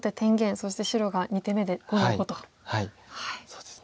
そうですね。